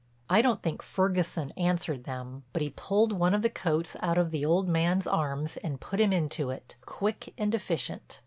I don't think Ferguson answered them, but he pulled one of the coats out of the old man's arms and put him into it, quick and efficient.